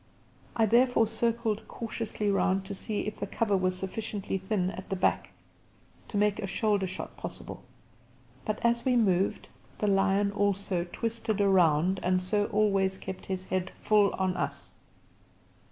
I therefore circled cautiously round in order to see if the cover was sufficiently thin at the back to make a shoulder shot possible; but as we moved, the lion also twisted round and so always kept his head full on us.